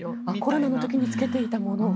コロナの時に着けていたものを？